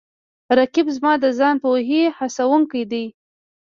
رقیب زما د ځان پوهې هڅوونکی دی